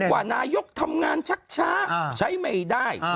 ว่านายกทำงานชักช้าใช้ไม่ได้